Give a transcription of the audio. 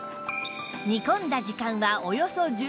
煮込んだ時間はおよそ１３分